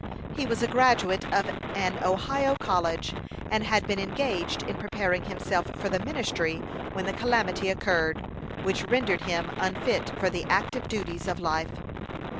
He was a graduate of an Ohio college, and had been engaged in preparing himself for the ministry when the calamity occurred which rendered him unfit for the active duties of life.